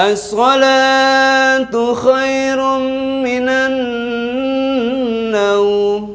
as'alatu khairun minannaw